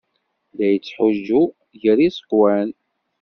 La yettḥuǧǧu gar yiẓekwan.